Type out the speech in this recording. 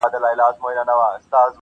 څوک دي نه ګوري و علم او تقوا ته.